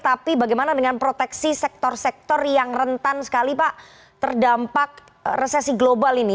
tapi bagaimana dengan proteksi sektor sektor yang rentan sekali pak terdampak resesi global ini